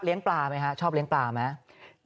เลี้ยงปลามั้ยคะชอบเลี้ยงปลาไหมคะ